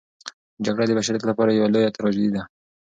جګړه د بشریت لپاره یوه لویه تراژیدي ده.